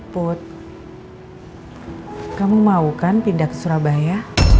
put kamu mau kan pindah ke surabaya